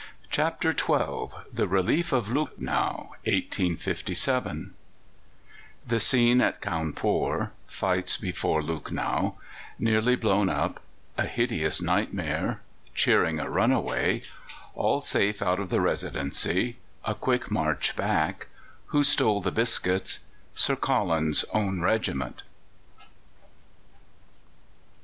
CHAPTER XII THE RELIEF OF LUCKNOW (1857) The scene at Cawnpore Fights before Lucknow Nearly blown up A hideous nightmare Cheering a runaway All safe out of the Residency A quick march back Who stole the biscuits? Sir Colin's own regiment.